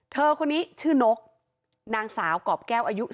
เธอคนนี้ชื่อนกนางสาวกรอบแก้วอายุ